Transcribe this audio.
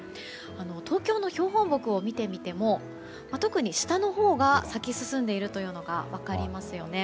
東京の標本木を見てみても特に、下のほうが咲き進んでいるのが分かりますよね。